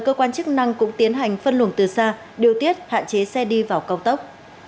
cơ quan chức năng cũng tiến hành phân luồng từ xa điều tiết hạn chế xe đi vào cao tốc